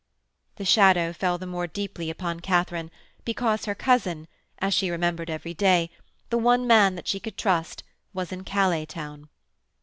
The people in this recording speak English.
The shadow fell the more deeply upon Katharine, because her cousin as she remembered every day the one man that she could trust, was in Calais town.